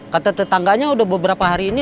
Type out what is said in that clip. kata tetangganya sudah beberapa hari ini